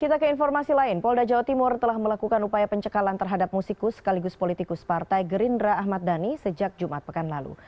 kita ke informasi lain polda jawa timur telah melakukan upaya pencekalan terhadap musikus sekaligus politikus partai gerindra ahmad dhani sejak jumat pekan lalu